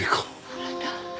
あなた。